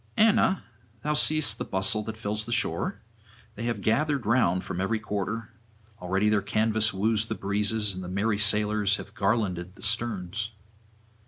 'Anna, thou seest the bustle that fills the shore. They have gathered round from every quarter; already their canvas woos the breezes, and the merry sailors have garlanded the sterns.